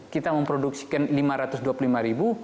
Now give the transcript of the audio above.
kita memproduksikan lima ratus dua puluh lima ribu